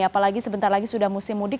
apalagi sebentar lagi sudah musim mudik